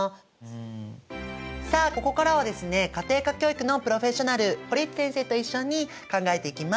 さあここからはですね家庭科教育のプロフェッショナル堀内先生と一緒に考えていきます。